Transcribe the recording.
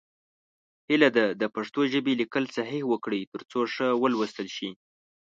هیله ده د پښتو ژبې لیکل صحیح وکړئ، تر څو ښه ولوستل شي.